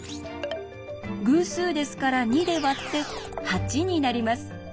偶数ですから２で割って８になります。